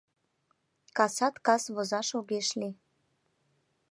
Касат кас возаш огеш лий: